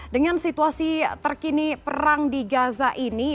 dengan situasi terkini perang di gaza ini